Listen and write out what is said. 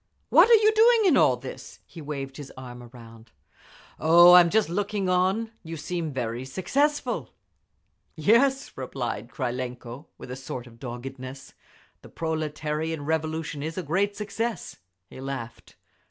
"What are you doing in all this?" He waved his arm around. "Oh, I'am just looking on…. You seem very successful." "Yes," replied Krylenko, with a sort of doggedness, "The proletarian Revolution is a great success." He laughed.